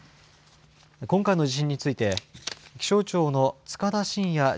今回の地震について、気象庁の束田進也